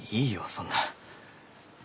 そんな。